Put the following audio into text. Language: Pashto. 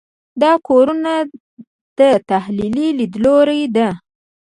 دا ګورنه له تحلیلي لیدلوري ده.